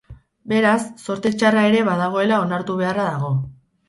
Beraz, zorte txarra ere badagoela onartu beharra dago.